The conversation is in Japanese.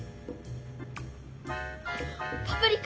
「パプリカ」